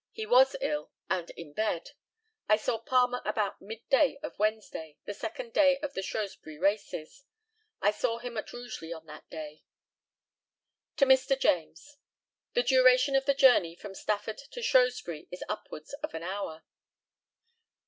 He was ill and in bed. I saw Palmer about midday of Wednesday, the second day of the Shrewsbury races. I saw him at Rugeley on that day. To Mr. JAMES: The duration of the journey from Stafford to Shrewsbury is upwards of an hour.